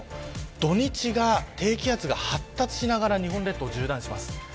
土日が、低気圧が発達しながら日本列島を縦断します。